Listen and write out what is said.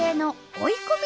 追い込み！